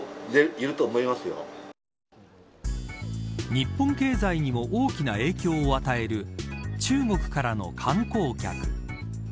日本経済にも大きな影響を与える中国からの観光客。